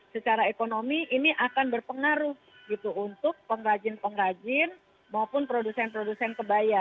secara ekonomi ini akan berpengaruh gitu untuk pengrajin pengrajin maupun produsen produsen kebaya